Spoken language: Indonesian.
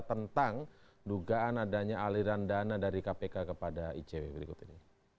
tentang dugaan adanya aliran dana dari kpk kepada icw berikut ini